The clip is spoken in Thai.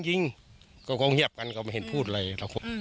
เขาก็เข้าเงียบกันเขาก็ไม่เห็นพูดอะไร